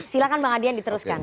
silahkan bang adian diteruskan